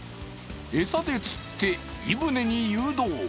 餌で釣って湯船に誘導。